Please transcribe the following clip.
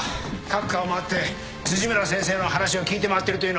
各科を回って辻村先生の話を聞いて回ってるというのは。